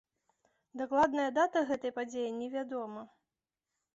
Дакладная дата гэтай падзеі не вядома.